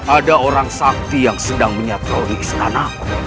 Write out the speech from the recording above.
ada orang sakti yang sedang menyatau di istana